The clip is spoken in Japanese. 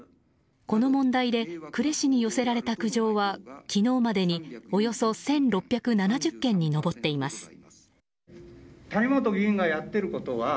この問題で呉市に寄せられた苦情は昨日までにおよそ１６７０件に上っています。